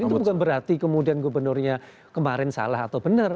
itu bukan berarti kemudian gubernurnya kemarin salah atau benar